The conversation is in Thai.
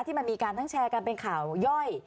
ที่มันมีการทั้งแชร์กันเป็นข่าวย่อย